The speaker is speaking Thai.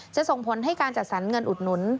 ส่งผลให้การจัดสรรเงินอุดหนุน